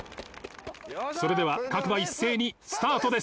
それでは各馬一斉にスタートです。